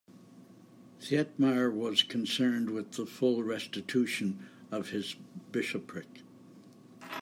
Thietmar was concerned with the full restitution of his bishopric.